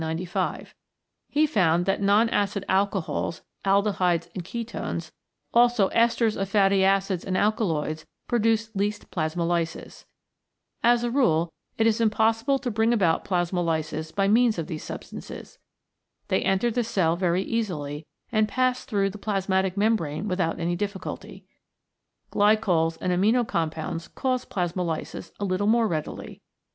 He found that mon acid alcohols, aldehydes, and ketones, also esters of fatty acids and alkaloids, produce least plasmolysis. As a rule it is impossible to bring about plasmolysis by means of these substances. They enter the cell very easily and pass through the plasmatic membrane without any difficulty. Glycols and amino compounds cause plasmolysis a little more readily.